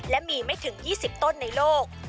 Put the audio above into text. และมีไม่ถึง๒๐ต้นในโลก